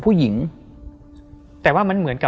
เพื่อที่จะให้แก้วเนี่ยหลอกลวงเค